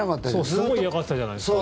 すごい嫌がってたじゃないですか。